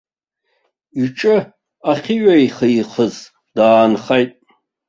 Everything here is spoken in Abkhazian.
Иҿы ахьыҩеихихыз даанхеит.